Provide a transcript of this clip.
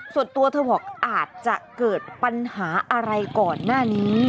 ส่วนตัวเธอบอกอาจจะเกิดปัญหาอะไรก่อนหน้านี้